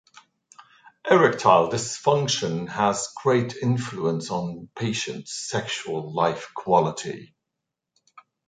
Erectile dysfunction has a great influence on patients’ sexual life quality.